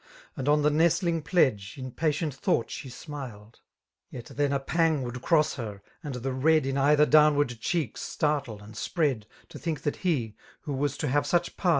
And on the nestling pledge in patient ^houglit she smiled. Yet then a pang wotild cross her; and die led In either downward cheek startle and spread. 53 To think that he^ who was to have such part